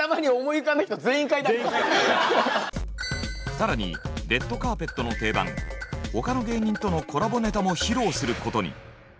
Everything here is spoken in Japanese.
更に「レッドカーペット」の定番他の芸人とのコラボネタも披露することに。